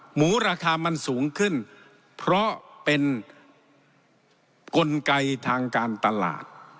ราคามันสูงขึ้นเพราะเป็นกลไกทางการตลาด